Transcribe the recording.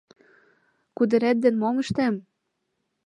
Кудырет ден мом ыштем?